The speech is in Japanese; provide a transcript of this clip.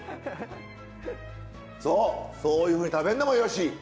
そうそういうふうに食べんのもよし。